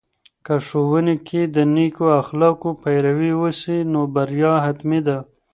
که ښوونې کې د نیکو اخلاقو پیروي وسي، نو بریا حتمي ده.